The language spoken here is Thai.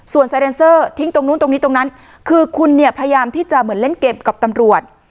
ส่วนไซเรนเซอร์ทิ้งตรงนู้นตรงนี้ตรงนั้นคือคุณเนี่ยพยายามที่จะเหมือนเล่นเกมกับตำรวจ